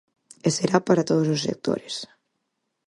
E será para todos os sectores.